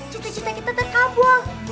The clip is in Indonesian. cita cita kita terkabung